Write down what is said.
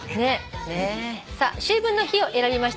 「秋分の日」を選びました